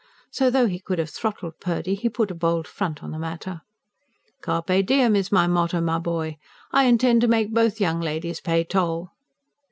So, though he could have throttled Purdy he put a bold front on the matter. "CARPE DIEM is my motto, my boy! I intend to make both young ladies pay toll."